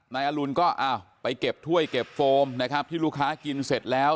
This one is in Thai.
นายอรุณก็อ้าวไปเก็บถ้วยเก็บโฟมนะครับที่ลูกค้ากินเสร็จแล้ว